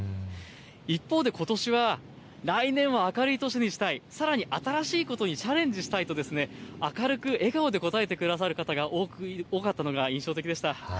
一方でことしは来年は明るい年にしたい、さらに新しいことにチャレンジしたいと明るく笑顔で答えてくださる方が多かったのが印象的でした。